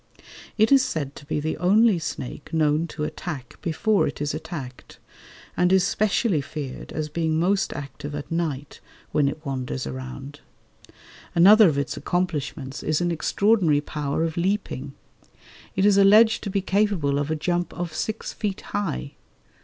It is said to be the only snake known to attack before it is attacked, and is specially feared as being most active at night when it wanders around. Another of its accomplishments is an extraordinary power of leaping: it is alleged to be capable of a jump of six feet high.